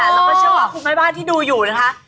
แล้วก็เชื่อว่าคุณแม่บ้านที่ดูอยู่นะคะ